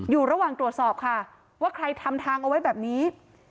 อยู่ระหว่างตรวจสอบค่ะว่าใครทำทางเอาไว้แบบนี้